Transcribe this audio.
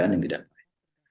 dan yang tidak baik